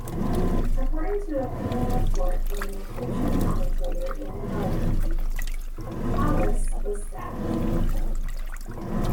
According to opinion report from an Egyptian commentator in "The Guardian," Hawass was "sacked".